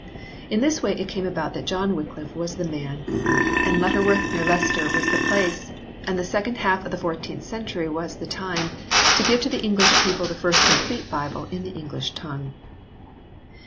In this way it came about that John Wycliffe was the man, and Lutter worth near Leicester was the place, and the second half of the fourteenth century was the time, to give to the English people the first complete Bible in the English tongue.